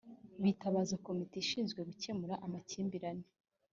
bitabaza komite ishinzwe gukemura amakimbirane